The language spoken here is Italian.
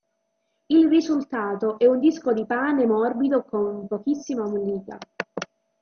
Il risultato è un disco di pane morbido con pochissima mollica.